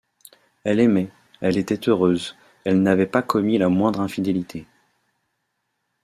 Elle aimait, elle était heureuse, elle n’avait pas commis la moindre infidélité.